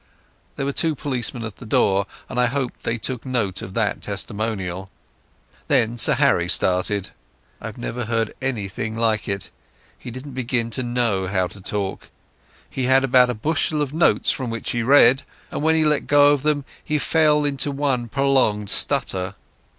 There were two policemen at the door, and I hoped they took note of that testimonial. Then Sir Harry started. I never heard anything like it. He didn't begin to know how to talk. He had about a bushel of notes from which he read, and when he let go of them he fell into one prolonged stutter.